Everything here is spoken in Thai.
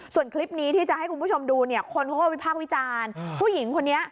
ส่วนคลิปนี้ที่จะให้คุณผู้ชมดูเนี่ยคนเขาก็วิพากษ์วิจารณ์ผู้หญิงคนนี้